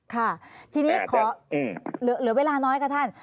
ค่ะทีนี้ขอเหลือเวลาน้อยค่ะท่าน